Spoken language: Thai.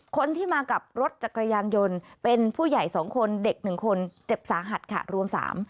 คนที่มากับรถจักรยานยนต์เป็นผู้ใหญ่สองคนเด็กหนึ่งคนเจ็บสาหัสค่ะรวมสาม